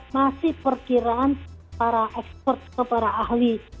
masih perkiraan para expert atau para ahli